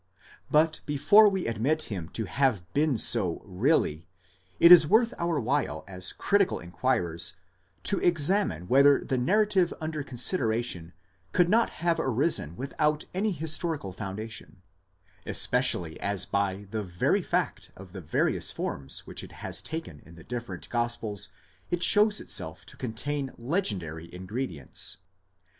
But before we admit him to have been so really, it is worth our while as critical inquirers, to examine whether the narrative under consideration could not have arisen without any historical foundation ; especially as by the very fact of the various forms which it has taken in the different gospels it shows itself to contain legendary ingredients.